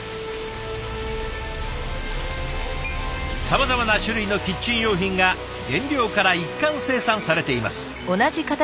さまざまな種類のキッチン用品が原料から一貫生産されています。